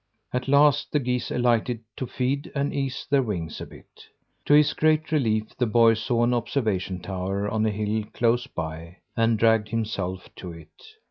At last the geese alighted to feed and ease their wings a bit. To his great relief the boy saw an observation tower on a hill close by, and dragged himself to it.